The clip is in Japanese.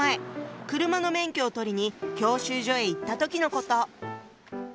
車の免許を取りに教習所へ行った時のこと。